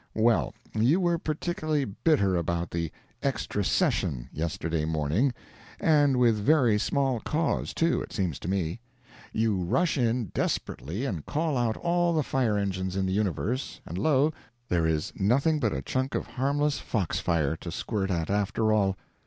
Well, you were particularly bitter about the "extra session" yesterday morning, and with very small cause, too, it seems to me. You rush in desperately and call out all the fire engines in the universe, and lo! there is nothing but a chunk of harmless fox fire to squirt at after all.